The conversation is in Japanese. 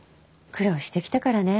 苦労してきたからね。